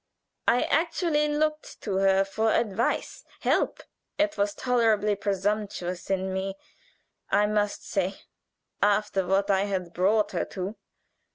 I actually looked to her for advice, help. It was tolerably presumptuous in me, I must say, after what I had brought her to.